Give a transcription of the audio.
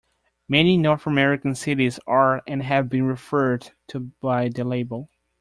Many North American cities are and have been referred to by the label.